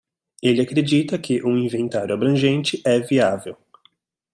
Ele acredita que um inventário abrangente é viável.